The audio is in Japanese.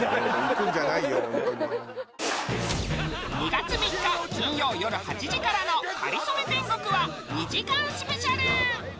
２月３日金曜よる８時からの『かりそめ天国』は２時間スペシャル！